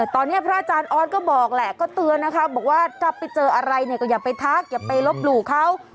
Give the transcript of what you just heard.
ตอนนี้พระอาจารย์ออสก็บอกแหละก็เตือนนะคะบอกว่าถ้าไปเจออะไรเนี่ยก็อย่าไปทักอย่าไปลบหลู่เขา